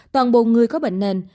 toàn bộ người có bệnh nền